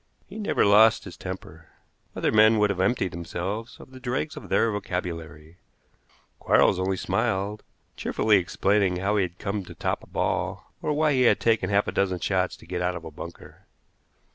He never lost his temper. Other men would have emptied themselves of the dregs of their vocabulary; Quarles only smiled, cheerfully explaining how he had come to top a ball, or why he had taken half a dozen shots to get out of a bunker.